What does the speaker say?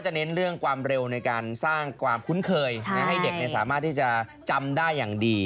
เพื่อเล่นเรื่องเร็วในการสร้างคุ้นเคยให้เด็กสามารถที่จะจำได้อย่างดี